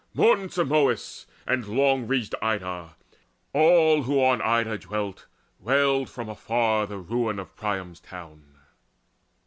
Mourned Simois And long ridged Ida: all who on Ida dwelt Wailed from afar the ruin of Priam's town.